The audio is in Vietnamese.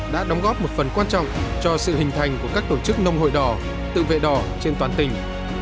đã đóng góp một phần quan trọng cho sự hình thành của các tổ chức nông hội đỏ tự vệ đỏ trên toàn tỉnh